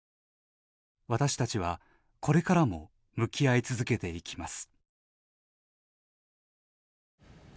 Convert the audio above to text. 私たちは、これからも向き合い続けていきます。